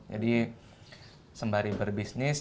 jadi sembari berbisnis